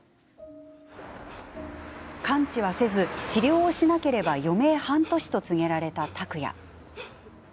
完治はせず、治療をしなければ余命半年と告げられた拓哉。